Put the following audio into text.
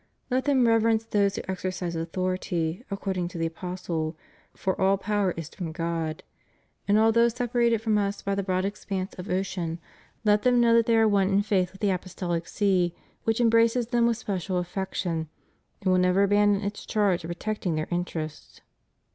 Let them reverence those who exercise authority, according to the Apostle, "for all power is from God." And al though separated from Us by the broad expanse of ocean, let them know that they are one in faith with the Apos tolic See, which embraces them with special affection and will never abandon its charge of protecting their interests.